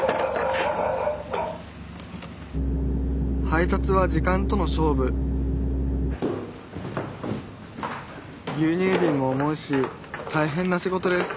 配達は時間との勝負牛乳ビンも重いし大変な仕事です